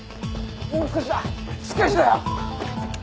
もう少しだしっかりしろよ。